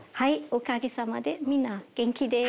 おかげさまでみんな元気です。